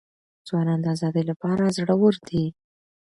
ځوانان د آزادۍ لپاره زړه ور دي.